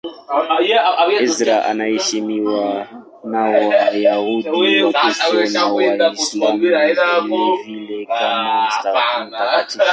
Ezra anaheshimiwa na Wayahudi, Wakristo na Waislamu vilevile kama mtakatifu.